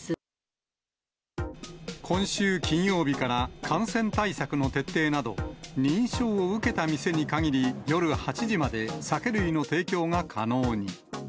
今週金曜日から感染対策の徹底など、認証を受けた店に限り、夜８時まで酒類の提供が可能に。